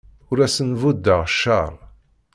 Ur asen-buddeɣ cceṛ.